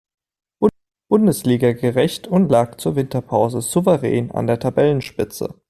Bundesliga gerecht und lag zur Winterpause souverän an der Tabellenspitze.